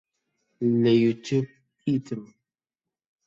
لە یوتیوب دیتم